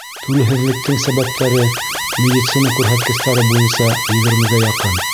Түлһеҙлектең сәбәптәре медицина күрһәткестәре буйынса егермегә яҡын.